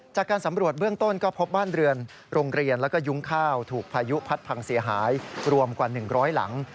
จากการสำรวจเบื้องต้นก็พบบ้านเรือนโรงเรียนแล้วก็ยุ้งข้าวถูกพายุพัดพังเสียหายรวมกว่า๑๐๐หลัง